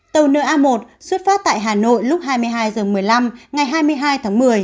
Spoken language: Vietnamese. tàu na một xuất phát tại hà nội lúc hai mươi hai h một mươi năm ngày hai mươi hai tháng một mươi